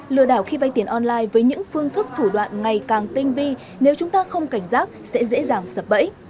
lừa đảo khi vay tiền online với những phương thức thủ đoạn ngày càng tinh vi nếu chúng ta không cảnh giác sẽ dễ dàng sập bẫy